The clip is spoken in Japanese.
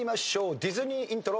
ディズニーイントロ。